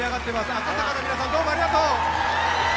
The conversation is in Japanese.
赤坂の皆さん、どうもありがとう。